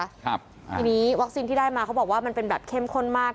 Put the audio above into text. ทีนี้วัคซีนที่ได้มาเขาบอกว่ามันเป็นแบบเข้มข้นมาก